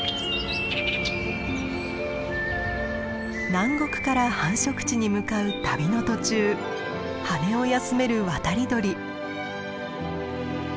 南国から繁殖地に向かう旅の途中羽を休める渡り鳥。